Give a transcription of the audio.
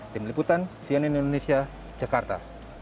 tim liputan cnn indonesia jakarta